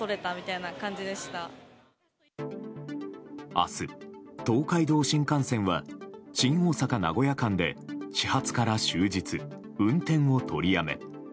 明日、東海道新幹線は新大阪名古屋間で始発から終日、運転を取りやめ。